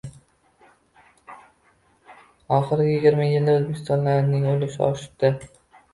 Oxirgi yigirma yilda o‘zbeklarning ulushi oshibdi.